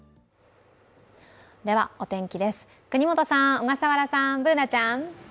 では、お天気です、國本さん、小笠原さん、Ｂｏｏｎａちゃん。